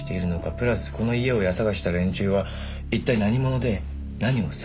プラスこの家を家捜しした連中は一体何者で何を探しているのか。